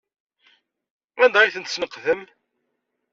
Anda ay ten-tesneqdem?